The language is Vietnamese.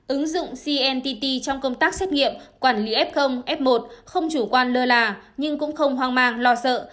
ứng dụng cnt trong công tác xét nghiệm quản lý f f một không chủ quan lơ là nhưng cũng không hoang mang lo sợ